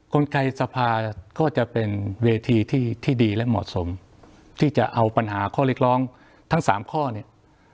กลไกสภาก็จะเป็นเวทีที่ดีและเหมาะสมที่จะเอาปัญหาข้อเรียกร้องทั้ง๓ข้อเนี่ย